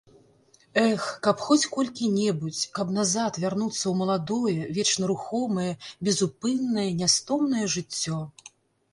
Эх, каб хоць колькі-небудзь, каб назад вярнуцца ў маладое, вечна рухомае, безупыннае, нястомнае жыццё.